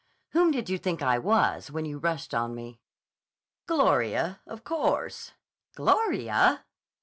"Whom did you think I was when you rushed on me?" "Gloria, of course!" "Gloria!"